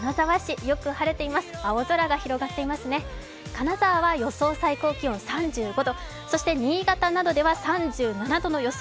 金沢は予想気温３５度、そして新潟などでは３７度の予想。